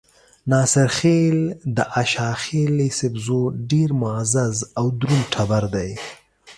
ناصرخېل د اشاخېل ايسپزو ډېر معزز او درون ټبر دے۔